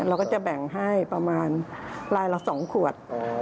เราก็จะแบ่งให้ประมาณลายละ๒ขวด